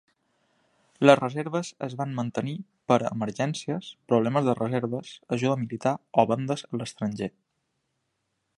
Les reserves es van mantenir per a emergències, problemes de reserves, ajuda militar o vendes a l'estranger.